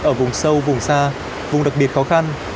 ở vùng sâu vùng xa vùng đặc biệt khó khăn